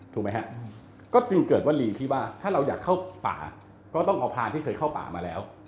ถูกไหมฮะก็จึงเกิดวลีที่ว่าถ้าเราอยากเข้าป่าก็ต้องเอาพรานที่เคยเข้าป่ามาแล้ว